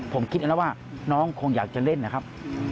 ผมคิดแล้วนะว่าน้องคงอยากจะเล่นนะครับ